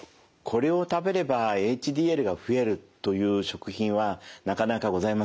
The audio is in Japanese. これを食べればＨＤＬが増えるという食品はなかなかございません。